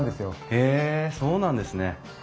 へえそうなんですね。